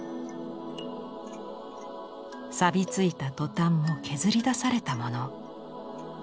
さび付いたトタンも削り出されたもの。